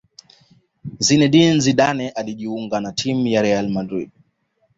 zinedine Zidane alijiunga kwenye timu ya real madrid